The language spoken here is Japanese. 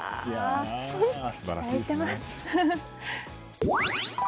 期待しています！